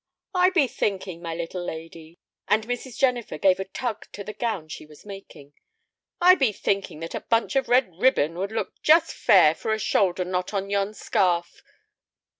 "I be thinking, my little lady"—and Mrs. Jennifer gave a tug to the gown she was making—"I be thinking that a bunch of red ribbon would look just fair for a shoulder knot to yon scarf.